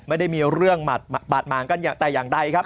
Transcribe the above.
ไม่ได้มีเรื่องมาบาดมางกันอย่างใต้อย่างใดครับ